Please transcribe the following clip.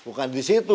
bukan di situ